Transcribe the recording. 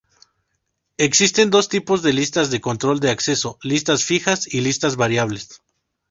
Existen dos tipos de listas de control de acceso: listas fijas y listas variables.